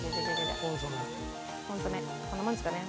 コンソメこんなもんですかね？